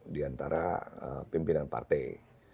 di antara pimpinan partai